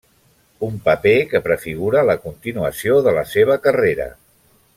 Un paper que prefigura la continuació de la seva carrera.